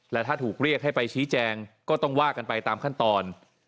และถ้าถูกเรียกให้ไปชี้แจงก็ต้องว่ากันไปตามขั้นตอน